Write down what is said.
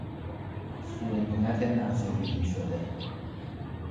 سونیت نقشهریزی شده